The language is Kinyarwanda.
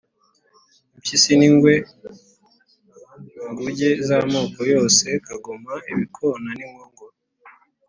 impyisi n'ingwe, inguge z'amoko yose, kagoma, ibikona, inkongoro,